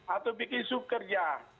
atau bikin subkerja